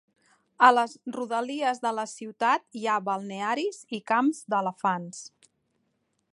A les rodalies de la ciutat hi ha balnearis i camps d'elefants.